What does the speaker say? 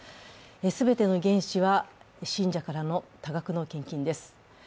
全ての原資は信者からの多額の献金です。